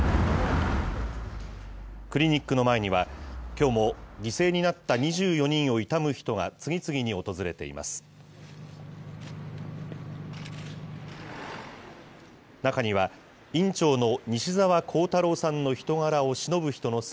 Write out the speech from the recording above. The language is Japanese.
クリニックの前には、きょうも犠牲になった２４人を悼む人が次々に訪れています。